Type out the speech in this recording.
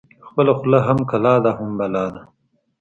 ـ خپله خوله هم کلا ده هم بلا ده.